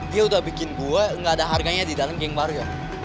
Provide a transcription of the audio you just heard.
dia udah bikin gue gak ada harganya di dalam geng baru ya